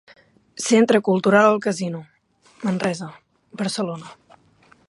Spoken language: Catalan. Centre Cultural El Casino, Manresa, Barcelona.